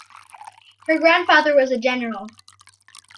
Her grandfather was a general.